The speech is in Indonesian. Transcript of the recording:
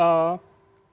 dari sejumlah komoditas ini